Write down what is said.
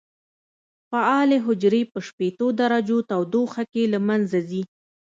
فعالې حجرې په شپېتو درجو تودوخه کې له منځه ځي.